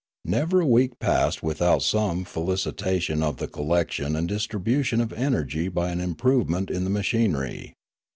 Never a week passed without some facilitation of the collection and distribution of energy by an improvement in the ma chinery.